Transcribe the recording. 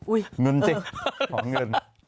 อุ้ยเงินเจ๊